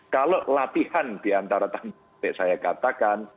kalau latihan diantara tadi saya katakan